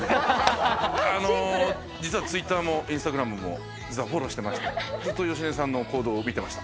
あの、実はＴｗｉｔｔｅｒもインスタグラムも実はフォローしてまして、ずっと芳根さんの行動を見てました。